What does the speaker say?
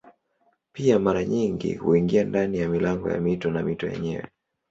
Pia mara nyingi huingia ndani ya milango ya mito na mito yenyewe.